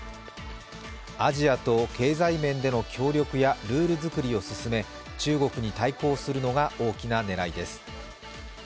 アジアと経済面での協力やルール作りを進め中国に対抗するのが大きな狙いです。